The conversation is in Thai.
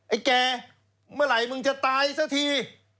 ไอ้แกเมื่อไหร่มึงจะตายซะที